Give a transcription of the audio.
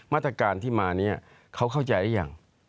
มาตรการที่มาเนี่ยเขาเข้าใจได้ยัง